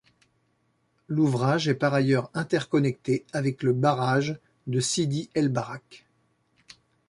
L'ouvrage est par ailleurs interconnecté avec le barrage de Sidi El Barrak.